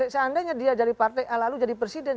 seandainya dia jadi partai a lalu jadi presiden